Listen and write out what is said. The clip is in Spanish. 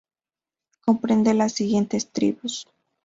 Comprende las siguientes tribus.